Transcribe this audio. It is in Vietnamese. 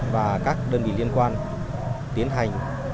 và các đơn vị liên quan tiến hành